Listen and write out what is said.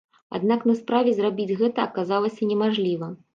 Аднак на справе зрабіць гэта аказалася немажліва.